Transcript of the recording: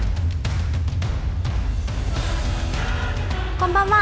こんばんは。